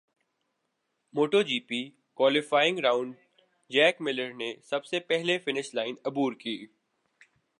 motto جی پی qualifying round Jack Miller نے سب سے پہلے فنش لائن عبور کی